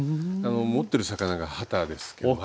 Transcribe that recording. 持ってる魚がハタですけども。